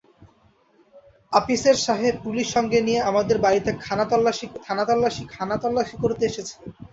আপিসের সাহেব পুলিস সঙ্গে নিয়ে আমাদের বাড়িতে খানাতল্লাসি করতে এসেছে।